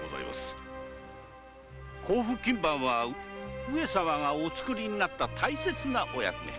甲府勤番は上様がお作りになった大切なお役目。